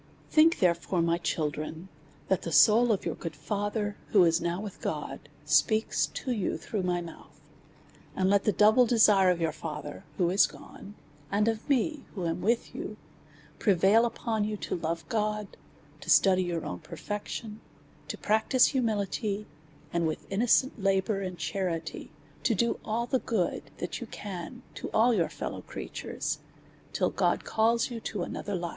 Think, therefore, my children, that the soul of your good father, who is now with God, speaks to you through my mouth; and let the double desire of your father, who is gone, and I, who am with you, prevail upon y<^u to love God, to study your onn perfection, to practise humility, and, with innocent labour and charity, to do all the good that you can to all jour fel low creatures, till God calls you to another life.